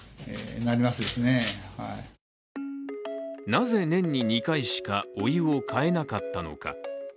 なぜ年に２回しかお湯をかえなかったのか。